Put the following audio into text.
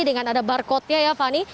dengan ada barcode nya ya fani